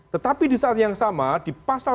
tetapi di saat yang sama di pasal